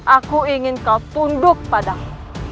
aku ingin kau tunduk padang